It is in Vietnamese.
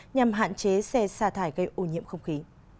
nhằm hạn chế xe xa thải gây ô nhiễm không khí